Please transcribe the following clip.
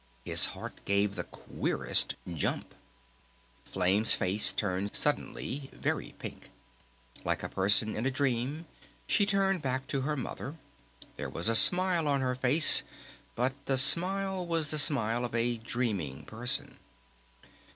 His heart gave the queerest jump. Flame's face turned suddenly very pink. Like a person in a dream, she turned back to her Mother. There was a smile on her face, but even the smile was the smile of a dreaming person.